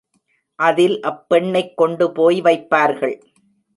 அதில் அப்பெண்ணைக் கொண்டுபோய் வைப்பார்கள்.